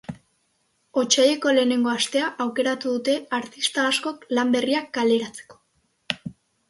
Otsaileko lehenengo astea aukeratu dute artista askok lan berriak kaleratzeko.